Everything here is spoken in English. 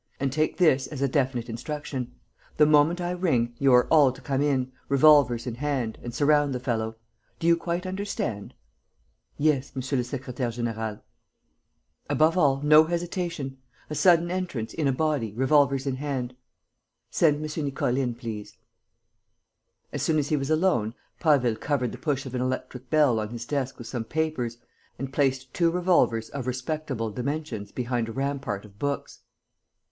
And take this as a definite instruction: the moment I ring, you are all to come in, revolvers in hand, and surround the fellow. Do you quite understand?" "Yes, monsieur le secrétaire; général." "Above all, no hesitation. A sudden entrance, in a body, revolvers in hand. Send M. Nicole in, please." As soon as he was alone, Prasville covered the push of an electric bell on his desk with some papers and placed two revolvers of respectable dimensions behind a rampart of books.